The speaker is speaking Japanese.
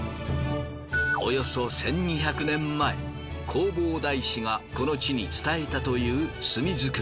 およそ１，２００年前弘法大師がこの地に伝えたという炭作り。